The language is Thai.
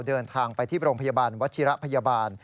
เดินทางไปที่โรงพยาบาลวัชิระพยาบาล